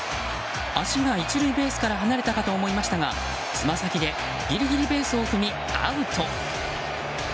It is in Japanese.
足が１塁ベースから離れたかと思いましたがつま先でギリギリベースを踏み、アウト。